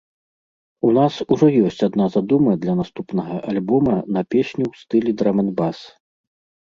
У нас ужо ёсць адна задума для наступнага альбома на песню ў стылі драм-н-бас.